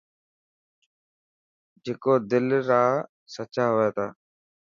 جڪو دل را سچا هئني ٿا.